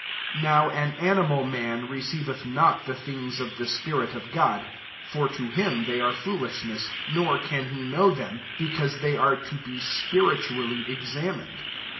14 Now an animal man re ceiveth not the things of the spirit of God : for to him they are foolishness; nor can he know them^ because they are to be spiritually examined.